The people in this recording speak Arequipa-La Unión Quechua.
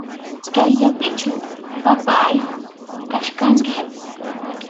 Kayllapichu, papáy, kachkanki.